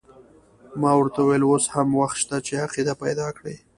ما ورته وویل اوس هم وخت شته چې عقیده پیدا کړې.